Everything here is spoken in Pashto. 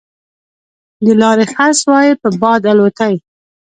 د لارې خس وای په باد الوتای